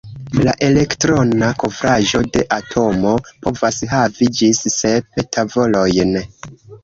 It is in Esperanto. La elektrona kovraĵo de atomo povas havi ĝis sep tavolojn.